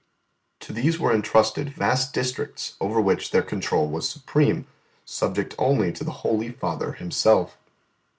To these were entrusted vast districts over which their control was supreme, subject only to the Holy Father Himself.